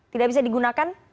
tidak bisa digunakan